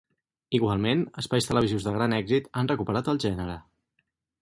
Igualment, espais televisius de gran èxit han recuperat el gènere.